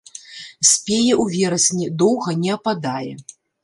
Спее ў верасні, доўга не ападае.